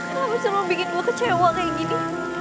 kenapa sih lo bikin gue kecewa kayak gini